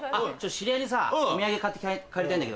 知り合いにさお土産買って帰りたいんだけどさ。